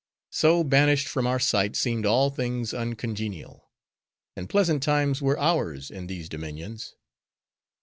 So, banished from our sight seemed all things uncongenial; and pleasant times were ours, in these dominions.